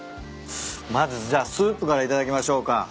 まずじゃあスープから頂きましょうか。